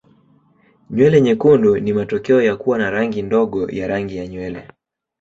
Nywele nyekundu ni matokeo ya kuwa na rangi ndogo ya rangi ya nywele.